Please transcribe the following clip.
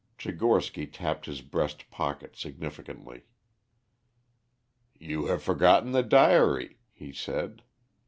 Tchigorsky tapped his breast pocket significantly. "You have forgotten the diary," he said.